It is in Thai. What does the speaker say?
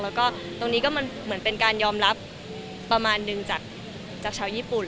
แล้วก็ตรงนี้ก็มันเหมือนเป็นการยอมรับประมาณนึงจากชาวญี่ปุ่น